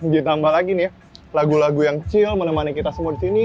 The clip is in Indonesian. ditambah lagi nih ya lagu lagu yang chill menemani kita semua di sini